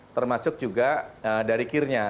termasuk juga dari kir nya